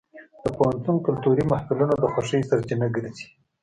د پوهنتون کلتوري محفلونه د خوښۍ سرچینه ګرځي.